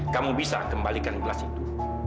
kamu bisa kembalikan gelas itu